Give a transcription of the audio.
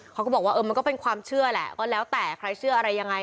เขาก็บอกว่าเออมันก็เป็นความเชื่อแหละก็แล้วแต่ใครเชื่ออะไรยังไง